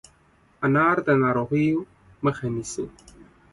انار د ناروغیو مخه نیسي.